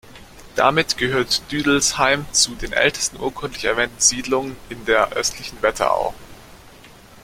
Damit gehört Düdelsheim zu den ältesten urkundlich erwähnten Siedlungen in der östlichen Wetterau.